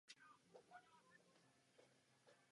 Jedná se o komerční produkt.